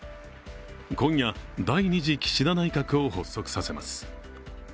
今夜、第２次岸田内閣を発足させます。